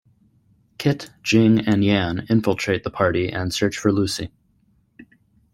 Kit, Jing and Yan infiltrate the party and search for Lucy.